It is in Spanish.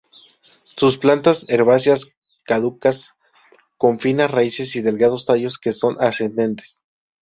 Son plantas herbáceas caducas con finas raíces y delgados tallos que son ascendentes.